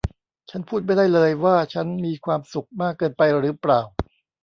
ฉันพูดไม่ได้เลยว่าฉันมีความสุขมากเกินไปหรือเปล่า